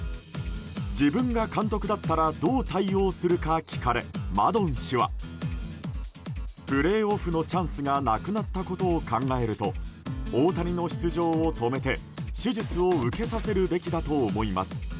自分が監督だったらどう対応するか聞かれマドン氏はプレーオフのチャンスがなくなったことを考えると大谷の出場を止めて手術を受けさせるべきだと思います。